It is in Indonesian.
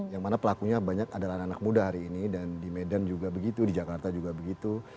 yang mana pelakunya banyak adalah anak anak muda hari ini dan di medan juga begitu di jakarta juga begitu